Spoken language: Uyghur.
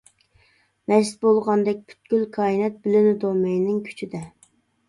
مەست بولغاندەك پۈتكۈل كائىنات، بىلىنىدۇ مەينىڭ كۈچىدە.